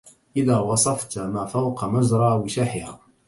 إذا وصفت ما فوق مجرى وشاحها